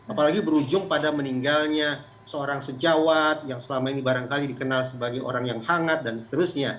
apalagi berujung pada meninggalnya seorang sejawat yang selama ini barangkali dikenal sebagai orang yang hangat dan seterusnya